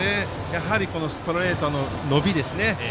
ストレートの伸びですね。